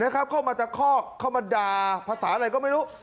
เข้ามาตะคอกเข้ามาด่าภาษาอะไรก็ไม่รู้